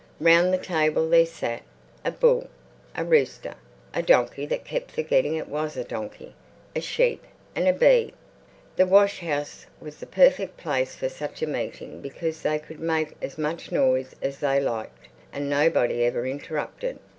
Round the table there sat a bull, a rooster, a donkey that kept forgetting it was a donkey, a sheep and a bee. The washhouse was the perfect place for such a meeting because they could make as much noise as they liked, and nobody ever interrupted.